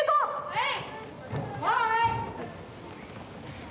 はい！